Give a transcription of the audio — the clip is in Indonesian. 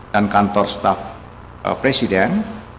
dan kantor staff presiden